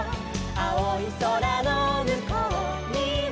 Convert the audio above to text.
「あおいそらのむこうには」